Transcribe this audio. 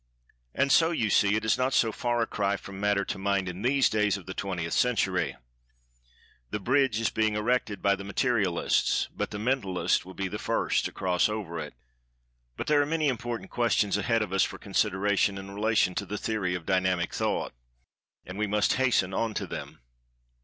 And, so, you see it is not so far a cry from Matter to Mind in these days of the Twentieth Century. The bridge is being erected by the Materialists, but the Mentalist will be the first to cross over it. But there are many important questions ahead of us for consideration in relation to the[Pg 159] Theory of Dynamic Thought. And we must hasten on to them.